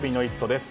です。